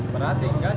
berat sih enggak